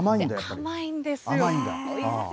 甘いんですよね。